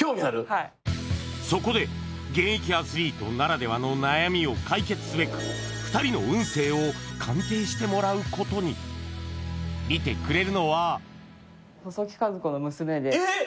はいそこで現役アスリートならではの悩みを解決すべく２人の運勢を鑑定してもらうことにみてくれるのはえっ！？